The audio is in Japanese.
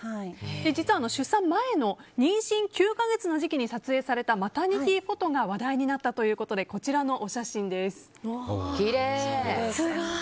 実は出産前の妊娠９月の時期に撮影されたマタニティーフォトが話題になったということでこちらのお写真です。